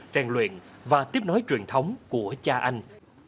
rèn luyện và tiếp nối truyền thống của cha anh